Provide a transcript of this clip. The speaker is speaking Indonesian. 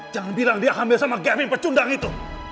jangan bilang dia hamil sama gaming pecundang itu